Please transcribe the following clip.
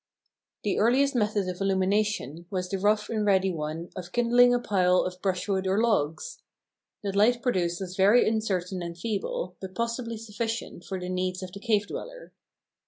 The earliest method of illumination was the rough and ready one of kindling a pile of brushwood or logs. The light produced was very uncertain and feeble, but possibly sufficient for the needs of the cave dweller.